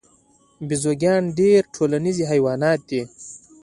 بیزوګان ډیر ټولنیز حیوانات دي